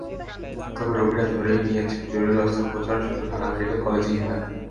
তবে রোগীরা ধরেই নিয়েছেন জরুরি অস্ত্রোপচার শুধু ঢাকা মেডিকেল কলেজেই হয়।